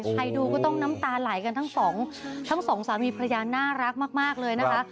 ใครดูก็ต้องน้ำตาไหลกันทั้งสองทั้งสองสามีพระยาน่ารักมากเลยนะคะ